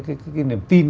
cái niềm tin